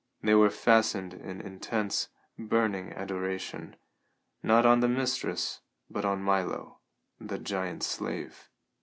They were fastened in intense, burning adoration, not on the mistress but on Milo, the giant slave.